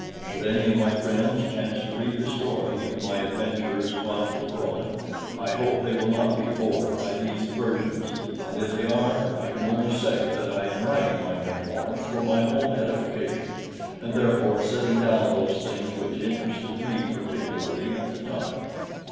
Should any of my friends chance to read the story of my adventures upon Caprona, I hope they will not be bored by these diversions, and if they are, I can only say that I am writing my memoirs for my own edification and therefore setting down those things which interested me particularly at the time.